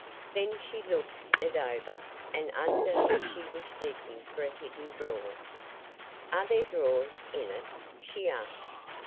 Then she looked it over, and under she was seeking for a hidden drawer. "Are there drawers in it?" she asked.